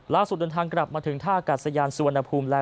เดินทางกลับมาถึงท่ากัดสยานสุวรรณภูมิแล้ว